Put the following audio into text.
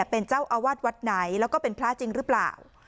เป็นเจ้าอาวาสวัดไหนแล้วก็เป็นพระจริงหรือเปล่า